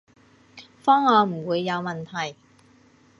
方案唔會有問題